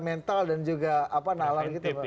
mental dan juga nalar gitu ya